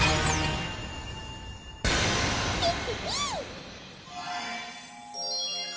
ピピピー！